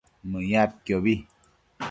Mëyadquiobi